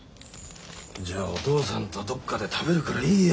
じゃあお父さんとどっかで食べるからいいよ。